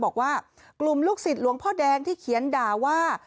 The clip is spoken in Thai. บอกว่ากลุ่มลูกศิษย์หลวงพ่อแดงที่เขียนด่าว่า